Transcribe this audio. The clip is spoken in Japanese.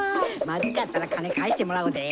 まずかったら金返してもらうで！